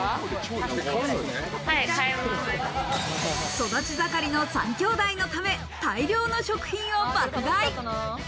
育ち盛りの３兄弟のため大量の食品を爆買い。